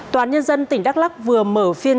tòa án nhân dân tỉnh đắk lắc vừa mở phiên